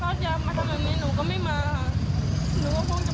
หนูก็คงจะบอกผู้หญิงว่าเออมึงหนีไปไหนไป